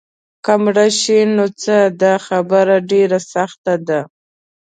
که مړه شي نو څه؟ دا خبره ډېره سخته ده.